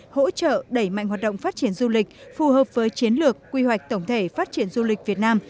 hỗ trợ đẩy mạnh hoạt động phát triển du lịch phù hợp với chiến lược quy hoạch tổng thể phát triển du lịch việt nam